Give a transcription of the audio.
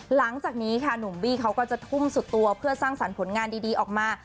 หลังจากนี้ค่ะหนุ่มบี้เขาก็จะทุ่มสุดตัวเพื่อสร้างสรรค์ผลงานดีออกมา